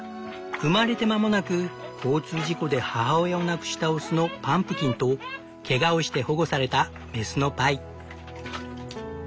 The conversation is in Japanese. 生まれて間もなく交通事故で母親を亡くした雄のパンプキンとけがをして保護された雌のパイ。